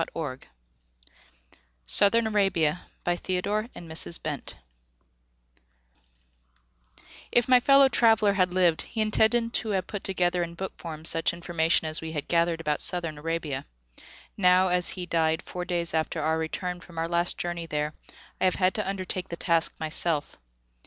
15 WATERLOO PLACE 1900 [All rights reserved] PREFACE If my fellow traveller had lived, he intended to have put together in book form such information as we had gathered about Southern Arabia. Now, as he died four days after our return from our last journey there, I have had to undertake the task myself.